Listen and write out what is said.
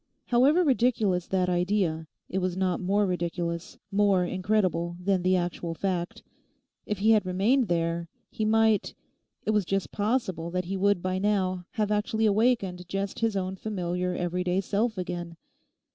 However ridiculous that idea, it was not more ridiculous, more incredible than the actual fact. If he had remained there, he might, it was just possible that he would by now, have actually awakened just his own familiar every day self again.